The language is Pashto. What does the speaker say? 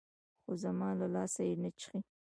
خو زما له لاسه يې نه چښي.